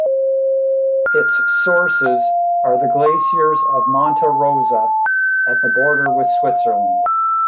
Its sources are the glaciers of Monte Rosa at the border with Switzerland.